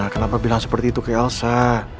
kenapa bilang seperti itu ke elsa